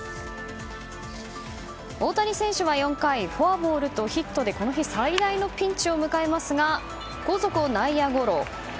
大谷選手は４回フォアボールとヒットでこの日最大のピンチを迎えますが後続を内野ゴロ。